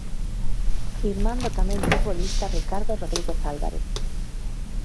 Irmán do tamén futbolista Ricardo Rodríguez Álvarez.